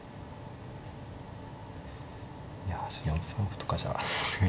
いや４三歩とかじゃさすがに。